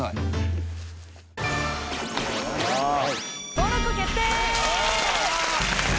登録決定！